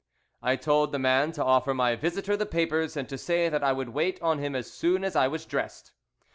I told the man to offer my visitor the papers and to say that I would wait on him as soon as I was dressed.